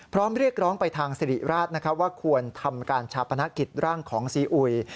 เรียกร้องไปทางสิริราชว่าควรทำการชาปนกิจร่างของซีอุย